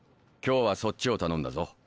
今日はそっちを頼んだぞ。